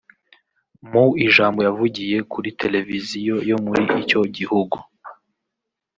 Mu ijambo yavugiye kuri televiziyo yo muri icyo gihugu